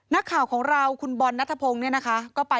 นักข่าวของเราคุณบอลนัทพงศ์เนี่ยนะคะก็ไป